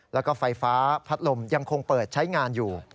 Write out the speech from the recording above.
แล้วก็ไฟฟ้าพัดลมยังคงเปิดใช้งานอยู่